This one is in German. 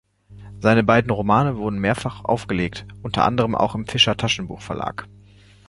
Seine beiden Romane wurden mehrfach aufgelegt, unter anderem auch im Fischer Taschenbuch Verlag.